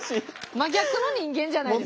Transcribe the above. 真逆の人間じゃないですか。